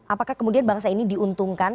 apakah kemudian bangsa ini diuntungkan